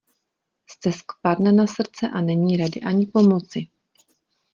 Stesk padne na srdce a není rady ani pomoci.